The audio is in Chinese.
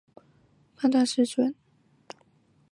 在戴眼镜或隐形眼镜时可能导致眼控判断失准。